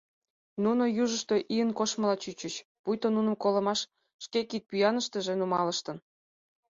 Нуно южышто ийын коштмыла чучыч, пуйто нуным колымаш шке кидпӱаныштыже нумалыштын.